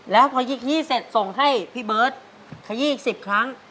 แล้วพอยิกยี่เสร็จส่งให้พี่เบิร์ตขยี้อีก๑๐ครั้ง